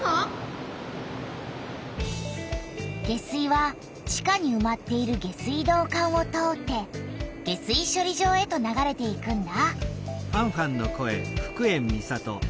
下水は地下にうまっている下水道管を通って下水しょり場へと流れていくんだ。